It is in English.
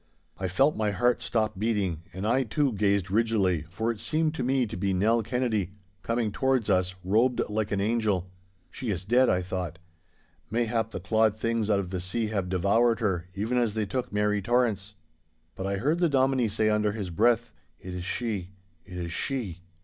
I felt my heart stop beating, and I, too, gazed rigidly, for it seemed to me to be Nell Kennedy, coming towards us, robed like an angel. 'She is dead!' I thought. 'Mayhap the clawed things out of the sea have devoured her, even as they took Mary Torrance!' But I heard the Dominie say under his breath, 'It is she! It is she!